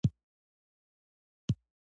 ما د خلکو په سپېرو مخونو کې د ژوند کتاب لوستلو.